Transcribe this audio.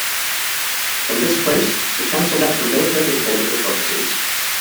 From this place, the Council met for military and political purposes.